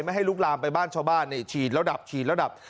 ให้ลุกลามไปบ้านชาวบ้านฉีดแล้วดับฉีดแล้วดับ